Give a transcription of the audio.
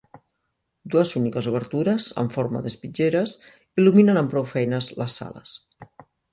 Dues úniques obertures en forma d'espitlleres il·luminen amb prou feines les sales.